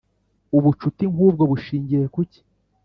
ubucuti nkubwo bushingiye kuki